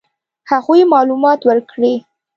هغوی معلومات ورکړي.